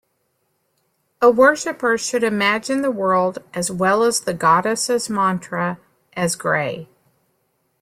A worshipper should imagine the world as well as the goddess's mantra as grey.